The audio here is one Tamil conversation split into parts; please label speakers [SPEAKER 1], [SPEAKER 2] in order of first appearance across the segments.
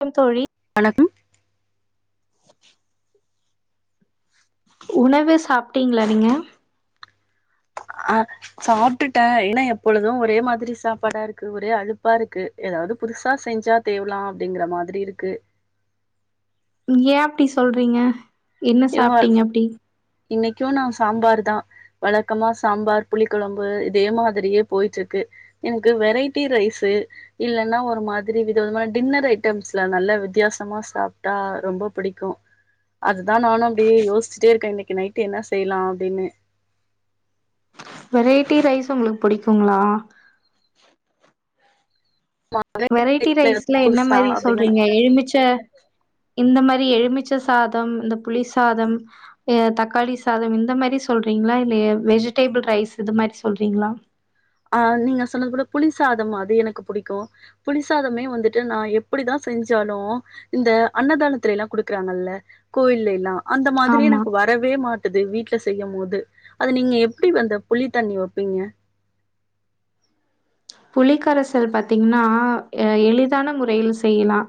[SPEAKER 1] கம் தோழி
[SPEAKER 2] வணக்கம்
[SPEAKER 1] உணவு சாப்ட்டீங்ளா நீங்க
[SPEAKER 2] ஆ சாப்ட்டுட்டே என்னா எப்பொழுது ஒரே மாதிரி சாப்பாடா இருக்கு ஒரே அலுப்பா இருக்கு எதாவது புதுசா செஞ்சா தேவலா அப்டிங்கிற மாதிரி இருக்கு
[SPEAKER 1] ஏ அப்டி சொல்றீங்க என்ன
[SPEAKER 2] இவ
[SPEAKER 1] சாப்ட்டீங்க அப்டி
[SPEAKER 2] இன்னைக்கு நா சாம்பார் தா வழக்கமா சாம்பார் புளி குழம்பு இதே மாதிரியே போயிட்ருக்கு எனக்கு வெரைட்டி ரைஸு இல்லன்னா ஒரு மாதிரி வித விதமான டின்னர் ஐட்டம்ஸ்ல நல்ல வித்தியாசமா சாப்ட்டா ரொம்போ பிடிக்கு அதா நானு அப்டியே யோஸ்ச்சுட்டே இருக்கே இன்னைக்கு நைட்டு என்ன செய்லா அப்டினு
[SPEAKER 1] வெரைட்டி ரைஸ் உங்களுக்கு புடிக்குங்களா வெரைட்டி ரைஸ்ல என்ன
[SPEAKER 2] புதுசா
[SPEAKER 1] மாரி
[SPEAKER 2] அப்டின்னு
[SPEAKER 1] சொல்றீங்க எலுமிச்ச இந்த மாரி எலுமிச்ச சாதம் இந்த புளி சாதம் தக்காளி சாதம் இந்த மாரி சொல்றீங்ளா இல்ல ய வெஜிடேபிள் ரைஸ் இது மாரி சொல்றீங்ளா
[SPEAKER 2] ஆ நீங்க சொன்னது போல புளி சாதம் அது எனக்கு புடிக்கு புளிசாதமே வந்துட்டு நா எப்படிதா செஞ்சாலு இந்த அன்னதானத்து எல்லா குடுக்குறாங்கல்ல கோயில எல்லா அந்த மாதிரி
[SPEAKER 1] ஆமா
[SPEAKER 2] எனக்கு வ ரவே மாட்டுது வீட்ல செய்யும்மோது அது நீங்க எப்டி வந்த புளித்தண்ணி வெப்பீங்க
[SPEAKER 1] புளி கரைசல் பாத்தீங்ன்னா அ எளிதான முறையில் செய்யிலா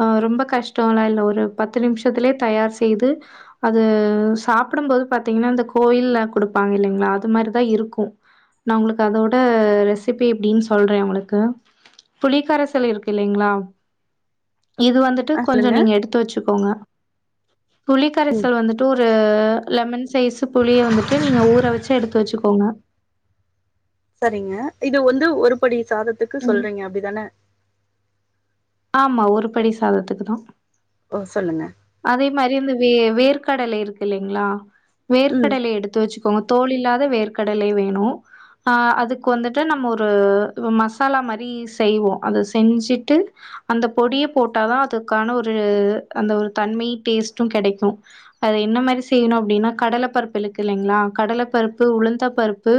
[SPEAKER 1] அ ரொம்ப கஷ்டோல இல்ல ஒரு பத்து நிமிஷத்துலே தயார் செய்து அது சாப்பிடும்போது பாத்தீங்கன்னா இந்த கோயில்ல குடுப்பாங்கில்லைங்ளா அது மாரிதா இருக்கு நா உங்களுக்கு அதோட ரெசிபி எப்டின் சொல்றே உங்களுக்கு புளிக்கரசல் இருக்கு இல்லைங்ளா இது வந்து ட்டு
[SPEAKER 2] ஆ
[SPEAKER 1] கொஞ்சோ
[SPEAKER 2] சொல்லுங்க.
[SPEAKER 1] நீங்க எடுத்து வெச்சுக்கோங்க புளிக்கரைசல் வந்துட் டு ஒரு லெமன் சைஸ் புளிய வந்துட்டு நீங்க ஊற வெச்சு எடுத்து வெச்சுக்கோங்க
[SPEAKER 2] சரிங்க இது வந்து ஒரு படி சாதத்துக்கு
[SPEAKER 1] ம்.
[SPEAKER 2] சொல்றீங்க அப்டிதான
[SPEAKER 1] ஆமா ஒரு படி சாதத்துக்குதா
[SPEAKER 2] ஓ சொல்லுங்க
[SPEAKER 1] அதே மாரி இந்த வே வேர்க்கடல இருக்கு இல்லிங்ளா
[SPEAKER 2] ம்.
[SPEAKER 1] வேர்க்கடல எடுத்து வச்சு க்கோங்க தோல் இல்லாத வேர்க்கடலே வேணு ஆ அதுக்கு வந்துட்டு நம்ம ஒரு மசாலா மாரி செய்வோ அத செஞ்சிட்டு அந்த பொடிய போட்டாதா அதுக்கான ஒரு அந்த ஒரு தன்மையு டேஸ்ட்டு கெடைக்கு அது என்ன மாரி செய்ணு அப்டின்னா கடல பருப்பு இலுக்கு இல்லங்ளா கடல பருப்பு உளுத்த பருப்பு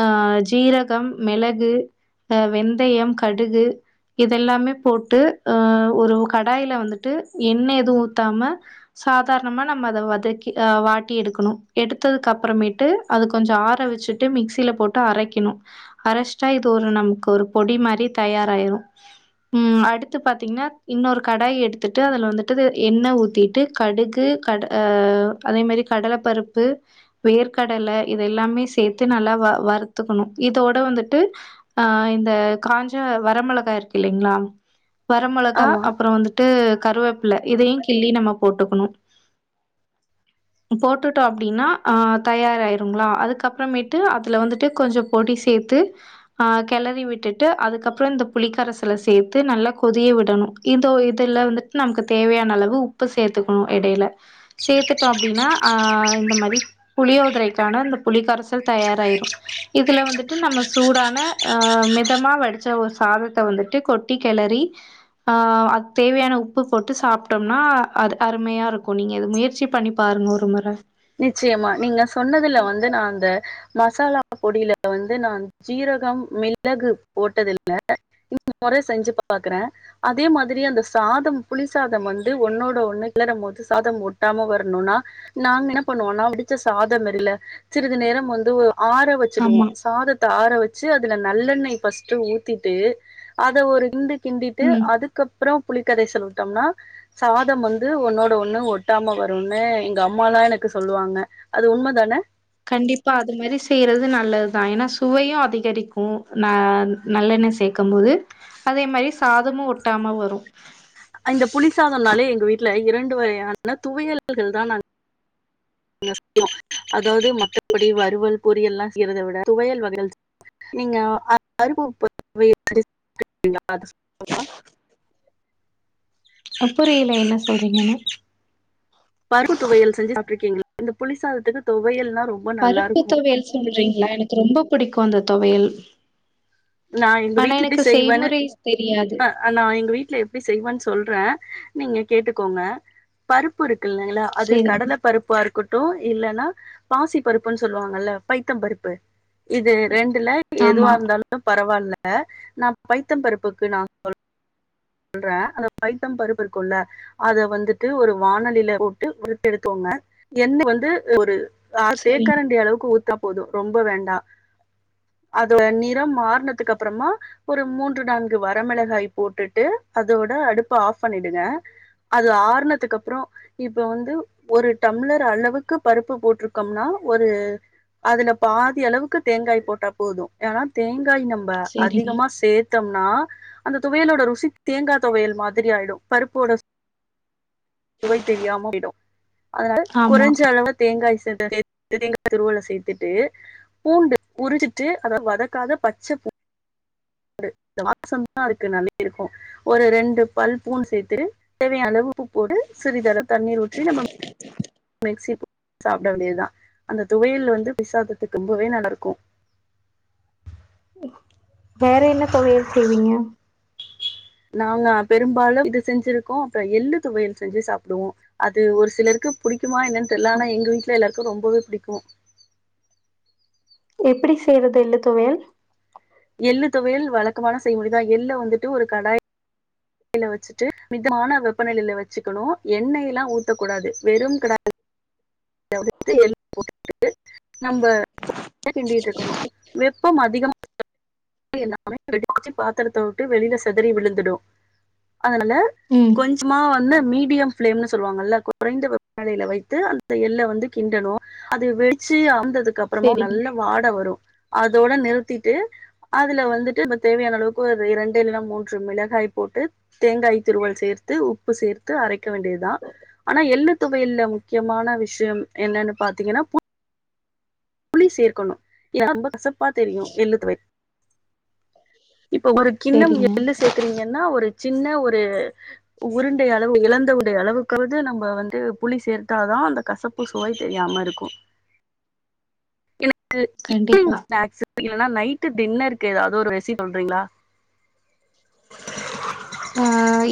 [SPEAKER 1] ஆ ஜீரகம் மெளகு அ வெந்தயம் கடுகு இதெல்லாமே போட்டு ஆ ஒரு கடாயில வந்துட்டு எண்ணெ எதுவு ஊத்தாம சாதார்ணமா நம்ம அத வதக்கி அ வாட்டி எடுக்கணு எடுத்ததுக்கப்பறமேட்டு அதுக் கொஞ்சொ ஆற வச்சுட்டு மிக்சியில போட்டு அரெக்கெணு அரஷ்ட்டா இது ஒரு நமக்கு ஒரு பொடி மாரி தயாராய்ரு ம் அடுத்து பாத்தீங்னா இன்னொரு கடாய் எடுத்துட்டு அதுல வந்துட் டு எண்ண ஊத்திட்டு கடுகு கட ஆ அதே மாரி கடல பருப்பு வேர்க்கடல இத எல்லாமே சேத்து நல்லா வருத்துக்கணு இதோட வந்துட்டு ஆ இந்த காஞ்ச வரமெளகா இருக்கு இல்லைங்ளா வர மொளகா
[SPEAKER 2] ஆமா.
[SPEAKER 1] அப்பறொ வந்துட்டு கருவேப்புல இதையு கிள்ளி நம்ம போட்டுக்கொணு போட்டுட்டோ அப்டின்னா ஆ தயாராய்ருங்ளா அதுக்கப்றமேட்டு அதுல வந்துட்டு கொஞ்ச பொடி சேத்து ஆ கெளரி விட்டுட்டு அதுக்கப்றொ இந்த புளிக்கரசல சேத்து நல்லா கொதிய விடணு இதோ இதுல வந்துட்டு நமக்கு தேவையானளவு உப்பு சேத்துக்கணு எடைல சேத்துட்டோ அப்டின்னா ஆ இந்த மாரி புளியோதரைக்கான அந்த புளி கரசல் தயாராய்ரு இதுல வந்துட்டு நம்ம சூடான ஆ மெதமா வடிச்ச ஒரு சாதத்த வந்துட்டு கொட்டி கெளறி ஆ அத்தேவையான உப்பு போட்டு சாப்டோம்னா அது அருமையா இருக்கு நீங்க இது முயற்சி பண்ணிப் பாருங்க ஒரு முற
[SPEAKER 2] நிச்சயமா நீங்க சொன்னதுல வந்து நா அந்த மசாலா பொடியில வந்து நான் ஜீரகம் மிளகு போட்டதில்ல [inaudible] செஞ்சு பாக்குற அதே மாதிரி அந்த சாதம் புளி சாதம் வந்து ஒன்னோட ஒண்ணு கிளறும் போது சாதம் ஒட்டாம வரணுன்னா நாங்கன்னா பண்ணுவோன்னா வடிச்ச சாதம்யிரில சிறிது நேரம் வந்து ஒ ஆற வச்சுடுவோ
[SPEAKER 1] ஆமா
[SPEAKER 2] சாதத் த ஆர வச்சி அதுல நல்லெண்ணெய் ஃபஸ்ட்டு ஊத்திட்டு அத ஒரு கிண்டு கிண்டிட்டு
[SPEAKER 1] ம்
[SPEAKER 2] அதுக்கப்றொ புளிக்கரைசல் விட்டோம்னா சாதம் வந்து ஒன்னோட ஒண்ணு ஒட்டாம வருன்னு எங்க அம்மாலா எனக் கு சொல்லுவாங்க அது உண்ம தான
[SPEAKER 1] கண்டிப்பா அது மாரி செய்றது நல்லதுதா ஏன்னா சுவையு அதிகரிக்கு ந நல்லெண்ண சேக்கம் போது அதே மாரி சாதமு ஒட்டாம வரு
[SPEAKER 2] அ இந்த புளிசாதன்னாலே எங்க வீட்ல இரண்டு வகையான துவையல்கள் தா நா [inaudible] அதாவ்து மத்தப் பொடி வறுவல் பொறியெல்லா செய்றத விட துவயல் வகைகள் நீங்க [inaudible]
[SPEAKER 1] புரியல என்ன சொல்றீங்கனு
[SPEAKER 2] பருப்பு துவையல் செஞ்சு சாப்ட்ருக்கீங் இந்த புளிசாதத்துக்கு தொவையல்னா ரொம்
[SPEAKER 1] பருப்பு தொவையல் சொல்றீங்ளா எனக்கு ரொம்ப புடிக்கு அந்த தொவையல்
[SPEAKER 2] நான் எங்க
[SPEAKER 1] ஆனா
[SPEAKER 2] வீட்ல எப்படி
[SPEAKER 1] எனக்கு
[SPEAKER 2] செய்வேன்னு
[SPEAKER 1] செய்முறை தெரியாது
[SPEAKER 2] அ நா எங்க வீட்ல எப்டி செய்வோன் சொல்ற நீங்க கேட்டுக்கோங்க பருப்பு இருக்குல்லங்களா அது
[SPEAKER 1] சேரிங்க
[SPEAKER 2] கடல பருப்பா இருக்கட்டும் இல்லன்னா பாசி பருப்புன் சொல்வாங்கல்ல பைத்தம் பருப்பு இது ரெண்டுல
[SPEAKER 1] ஆமா
[SPEAKER 2] எதுவா இருந்தாலும் பரவால்ல நான் பைத்தம் பருப்புக்கு நான் சொல் சொல்றே அந்த பைத்தம் பருப்பு இருக்குல்ல அத வந்துட்டு ஒரு வானலியில போட்டு வருத்து எடுத்தோங்க என்னெ வந்து அ ஒரு அ அர
[SPEAKER 1] சேரிங்க
[SPEAKER 2] தேக்கரண்டி அளவுக்கு ஊத்துனா போதும் ரொம்ப வேண்டா அதோட நிறம் மாறுனதுக்கு அப்புறமா ஒரு மூன்று நான்கு வரமிளகாய் போட்டுட் ட்டு அதோட அடுப்ப ஆஃப் ஃபண்ணிடுங்க அது ஆறனதுக்கு அப்புறோ இப்ப வந்து ஒரு டம்ளர் அளவுக்கு பருப்பு போட்ருக்கம்னா ஒரு அதுல பாதி அளவுக்கு தேங்காய் போட்டா போதும் ஏன்னா தேங்காய் நம் ப
[SPEAKER 1] சேரிங்க
[SPEAKER 2] அதிகமா சேத்தம்னா அந்த துவையலோட ருசி தேங்காய் தொவையல் மாதிரி ஆயிடும் பருப்போட ஸ் சுவை தெரியாம போயிடும் அதனால
[SPEAKER 1] ஆமா
[SPEAKER 2] குறைஞ்ச அளவ தேங்காய் [unintelligible] தேங்காய் துருவல சேத்துட்டு பூண்டு உரிச்சுட்டு அத வதக்காத பச்ச பூ ஒரு [unintelligible] அதுக்கு [unintelligible] இருக்கும் ஒரு ரெண்டு பல் பூண்டு சேத்துட்டு தேவையான அளவு உப்பு போட்டு சிறிதளவு தண்ணீர் ஊற்றி நம்ம மிக்சி [unintelligible] சாப்ட வேண்டியதுதான் அந்த துவையல் வந்து புளி சாதத்துக்கு ரொம்பவே நல்ல இருக்கும்
[SPEAKER 1] வேற என்ன தொவையல் செய்வீங்க
[SPEAKER 2] நாங்க பெரும்பாலும் இது செஞ்சிருக்கோம் அப்புறம் எள்ளு துவையல் செஞ்சு சாப்புடுவோம் அது ஒரு சிலருக்கு புடிக்குமா என்னனு தெரில ஆனா எங்க வீட்ல எல்லாருக்கும் ரொம்பவே பிடிக்கும்
[SPEAKER 1] எப்புடி செய்யுறது எள்ளு துவையல்
[SPEAKER 2] எள்ளு துவையல் வழக்கமான செய் முறைதா எள்ள வந்துட்டு ஒரு கடாய் டில வச்சுட்டு மிதமான வெப்பநிலையில வச்சுக்கணும் எண்ணெய எல்லாம் ஊத்தக்கூடாது வெறும் கிடா [unintelligible] [unintelligible] எள்ளு போட்டுட்டு டு நம்ப [unintelligible] இருக்கணும் வெப்பம் அதிகமா [unintelligible] [unintelligible] பாத்துரத்த உட்டு வெளில செதறி விழுந்துடும் அதனால
[SPEAKER 1] ம்
[SPEAKER 2] கொஞ்சமா வந்து மீடியம் ஃப்ளேம்னு சொல்லுவாங்கல்ல குறைஞ்ச வெப்பநிலைல வைத்து அந்த எள்ள வந்து கிண்டனும் அது வெடிச்சு அவுந்ததுக்கு அப்புறமா ஒ
[SPEAKER 1] சேரிங்க
[SPEAKER 2] நல்ல வாட வரும் அதோட நிறுத்திட்டு அதுல வந்துட்டு நம்ம தேவையான அளவுக்கு ஒரு இரண்டு இல்லன்னா மூன்று மிளகாய் போட்டு தேங்காய் துருவல் சேர்த்து உப்பு சேர்த்து அரைக்க வேண்டியத்தா ஆனா எள்ளு துகையல்ல முக்கியமான விஷயம் என்னன்னு பாத்தீங்கன்னா பு ளி சேர்க்கணும் என்னா ரொம்ப கசப்பா தெரியும் எள்ளுத்துவையல் இப்ப ஒரு கிண்ணம்
[SPEAKER 1] சேரிங்க
[SPEAKER 2] எள்ளு சேக்குறீங்கன்னா ஒரு சின்ன ஒரு உ உருண்டை அளவு இழந்த உருண்டை அளவுக்காவது நம்ப வந்து புளி சேர்த்தாதான் அந்த கசப் ப்போ சுவை தெரியாம இருக்கும்
[SPEAKER 1] கண்டிப்பா
[SPEAKER 2] [unintelligible] ஸ்நாக்ஸ்ஸு இல்லன்னா நைட்டு் டின்னருக்கு ஏதாவது ஒரு [unintelligible] சொல்றீங்களா
[SPEAKER 1] அ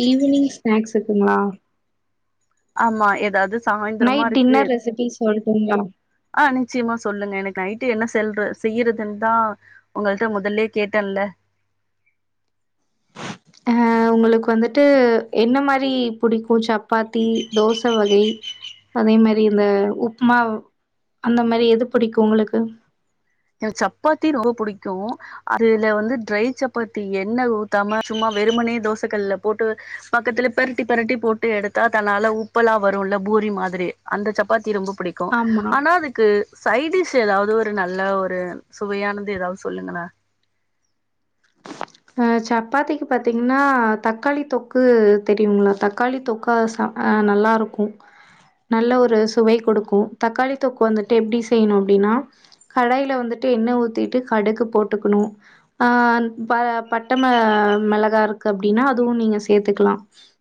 [SPEAKER 1] ஈவினிங் ஸ்நேக்ஸ்ஸுக்குங்களா
[SPEAKER 2] ஆமா ஏதாவது ஸ்
[SPEAKER 1] நைட் டின்னர் ரெசிபிஸ் சொல்றீங்களா
[SPEAKER 2] ஆ நிச்சயமா சொல்லுங்க எனக்கு நைட்டு என்ன செல்ற செய்யிறதுன் தா உங்கள்ட்ட முதல்லே கேட்டேன்ல்ல
[SPEAKER 1] அ உங்களுக்கு வந்துட்டு என்ன மாரி புடிக்கும் சப்பாத்தி தோச வகை அதே மாரி இந்த உப்புமா அந்த மாரி எது புடிக்கும் உங்களுக்கு
[SPEAKER 2] எனக் சப்பாத்தி ரொம்ப புடிக்கு அதுல வந்து ட்ரை சப்பாத்தி எண்ண ஊத்தாம சும்மா வெறும்மனே தோச கல்லுல போட்டு பக்கத்துலே பெரட்டி பெரட்டி போட்டு எடுத்தா தன்னால உப்பலா வருல்ல பூரி மாதுரி அந்த சப்பாத்தி ரொம்ப புடிக் கு
[SPEAKER 1] ஆமா.
[SPEAKER 2] ஆனா அதுக்கு சைடிஷ் எதாவ்து ஒரு நல்ல ஒர் ரு சுவையானது எதாவ்து சொல்லுங்கள
[SPEAKER 1] அ சப்பாத்திக்கு பாத்திங்னா தக்காளி தொக்கு தெரியுங்ளா தக்காளி தொக்கா சாப் அ நல்லாருக்கு நல்ல ஒரு சுவை குடுக்கு தக்காளி தொக்கு வந்துட்டு எப்டி செய்ணு அப்டினா கடைல வந்துட்டு எண்ண ஊத்திட்டு கடுகு போட்டுக்னு அ அந் பர பட்டம மிளகா இருக்கு அப்டினா அதுவு நீங்க சேத்துக்லா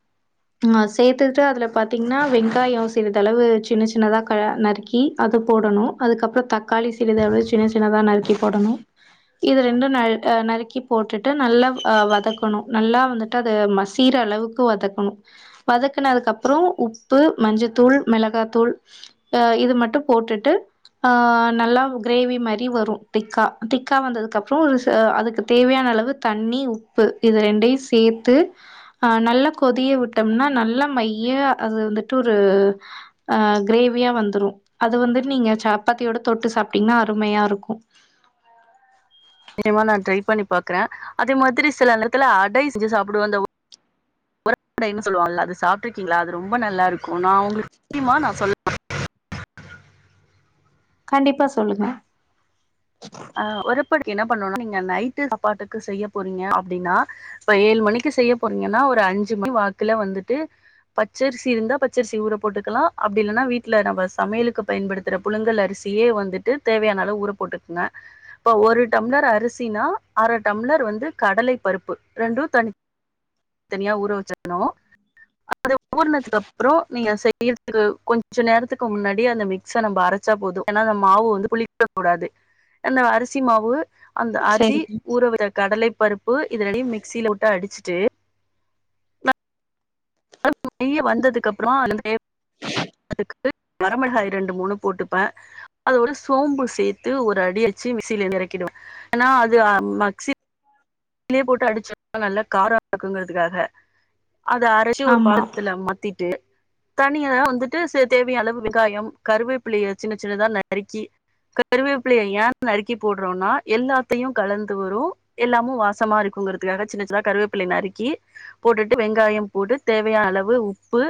[SPEAKER 2] [unintelligible]
[SPEAKER 1] அ சேத்துட்டு அதில பாத்திங்னா வெங்காயோ சிறதளவு சின்ன சின்னதா க நறுக்கி க அது போடணு அதுக்கப்ற தக்காளி சிறிது எவ்ளோ சின்ன சின்னதா நறுக்கி போடணு இது ரெண்டு நழ் அ நறுக்கி போட்டுட் டு நல்லவ் அ வதக்கணு நல்லா வந்துட்டு அது மசீர அளவுக்கு வதக்குணு வதக்குனதுக்ககு அப்றோ உப்பு மஞ்சத்தூள் மிளகா தூள் அ இது மட்டு போட்டுட்டு அ நல்லா கிரேவி மரி வரு திக்கா திக்கா வந்ததுக்கு அப்றோ ஒரு அதுக்கு தேவயான அளவு தண்ணி உப்பு இது ரெண்டயு சேத்து அ நல்ல கொதிய விட்டம்னா நல்ல மைய அது வந்துட்டு ஒரு அ கிரேவியா வந்துரு அது வந்துட் நீங்க சாப்பாத்தியோட தொட்டு சாப்ட்டீங்ன்னா அருமயா‌ இருக்கு
[SPEAKER 2] நியமா நா ட்ரை பண்ணி பாக்குற அதே மாத்ரி சில நேர்த்துல அடை செஞ்சி சாப்புடுவ அந்த உ [inaudible] சொல்லுவாள்ல அது சாப்ட்ருக்கீங்ளா அது ரொம்ப நல்லாருக்கு நா உங்ளுக்கு [inaudible] நா சொல்ல
[SPEAKER 1] கண்டிப்பா சொல்லுங்க
[SPEAKER 2] அ ஒருப்படிக்கு என்ன பண்ணோனா நீங்க நைட்டு சாப்பாட்டுக்கு செய்ய போறீங்க அப்டினா இப்ப ஏழு மணிக்கி செய்ய போறீங்கனா ஒரு அஞ்சு மணி வாக்குல வந்துட்டு பச்சர்சி இருந்தா பச்சரிசி ஊற போட்டுக்கலா அப்டி இல்லனா வீட்ல நம்ம சமையலுக்கு பயன்படுத் துற புழுங்கல் அரிசியே வந்துட்டு தேவையான அளவு ஊற போட்டுக்குங்க இப்ப ஒரு டம்ளர் அரிசினா அர டம்ளர் வந்து கடலை பருப்பு ரெண்டு தனி தனியா ஊற வச்சிற்னு அத ஊற்னதுக்கு அப்றோ நீங்க செய்யற்துக்கு கொஞ்ச நேரத்துக்கு முன்னாடி அந்த மிக்ஸ நம்ப அரச் சா போது ஏன்னா அந்த மாவு வந்து புளிக்க கூடாது அந்த அரிசி மாவு அந்த அரிசி
[SPEAKER 1] சரிங்க
[SPEAKER 2] ஊறவித்த கடலை பருப் பு இதுல‌ நீ மிக்சில போட்டு அடிச்ட்டு இய வந்ததுக்கு அப்றோ [inaudible] அதுக்கு வரமிளகாய் ரெண்டு மூணு போட்டுப்ப அத ஒரு சோம்பு சேத்து ஒரு அடி வச்சு மிசிலேருந்து எறக்கிடு வ ஏன்னா அது அ மக்சி கிலே போட்டு அடிச்சன்னா நல்ல கார இருக்குக்குங்குறதுக்காக அத அரச் சி ஒரு
[SPEAKER 1] ஆமா
[SPEAKER 2] பாதத்துல மாத்திட்டு தனியா வந்துட்டு சே தேவையான அளவு வெங்காயம் கருவேப்பிலய சின்ன சின்னதா நறுக்கி கருவேப்ல ய ஏ நறுக்கி போட்றோன்னா எல்லாத்தயு கலந்து வரு எல்லாமு வாஸ் சமாருக்குங்குறதுக்காக சின்ன சின்னதா கருவேப்லய நறுக்கி போட்டுட்டு வெங்காய போட்டு தேவையான அளவு உப்பு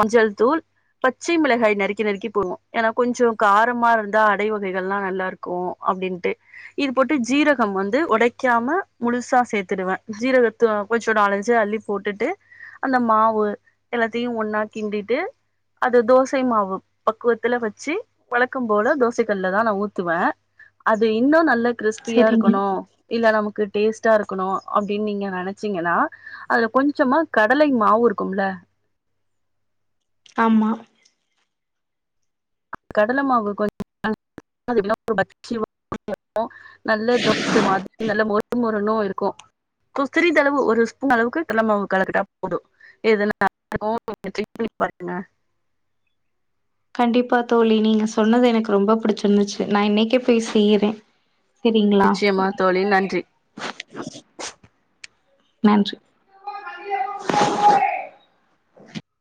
[SPEAKER 2] மஞ்சள் தூள் பச்சை மிளகாய் நறுக்கி நறுக்கி போடுவோ ஏன்னா கொஞ்சோ காரமா இருந்தா அடை வகைகள்ல்லா நல்லாருக் இருக்கும் அப்டின்ட்டு இது போட்டு ஜீரகம் வந்து ஒடைக்காம முழுசா சேத்துடுவே ஜீரகத்து கொஞ்சோ நாலஞ்சு அள்ளிப் போட்டுட்டு அந்த மாவு எல்லாத்தையு ஒன்னா கிண்டிட்டு அது தோசை மாவு பக்குவத்துல வச்சு வழக்கம் போல தோசை கல்ல தான் நா ஊத்துவே அது இன்னும் நல்ல கிரிஸ்பியா
[SPEAKER 1] சரிங்க
[SPEAKER 2] இருக்கணும் இல்ல நமக்கு டேஸ்ட்டா இருக்கணு அப்டின்னு நீங்க நெனைச்சீங்கன்னா அதுல கொஞ்சமா கடலை மாவு இருக்கும்ல
[SPEAKER 1] ஆம்மா
[SPEAKER 2] கடல மாவு கொஞ்சம் அதுவா வச்சி [inaudible] நல்ல தோச மாதிரி நல்ல மொறு மொறுணு இருக்கும் குக்கரி செலவு ஒரு ஸ்பூன் அளவுக்கு கல்ல மாவு கலக்கிட்டா போதும் இதெல்லா [inaudible]
[SPEAKER 1] கண்டிப்பா தோழி நீங்க சொன்னது எனக்கு ரொம்ப பிடிச்சிருந்துச்சு நா இன்னைக்கே போய் செய்யுறே சேரீங்களா
[SPEAKER 2] நிச்சயமா தோழி நன்றி
[SPEAKER 1] நன்றி